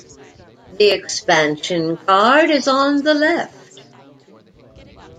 The expansion card is on the left.